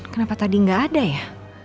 kenapa tadi nggak ada ya